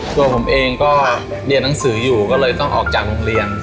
ตัวผมเองก็เรียนหนังสืออยู่ก็เลยต้องออกจากโรงเรียน